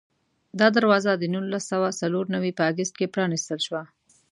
دا دروازه د نولس سوه څلور نوي په اګست کې پرانستل شوه.